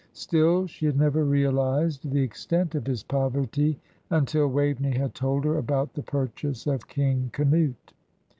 Still she had never realised the extent of his poverty until Waveney had told her about the purchase of "King Canute."